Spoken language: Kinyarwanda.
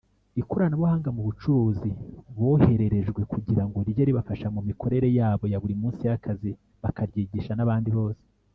Ikoronabuhanga m’ubucuruzi bohererejwe kugirango rijye ribafasha mu mikorere yabo yaburi munsi y’akazi bakaryigisha n’abandi bose.